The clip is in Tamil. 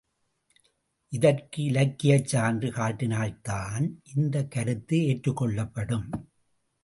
இதற்கு இலக்கியச் சான்று காட்டினால்தான், இந்தக் கருத்து ஏற்றுக் கொள்ளப்படும்.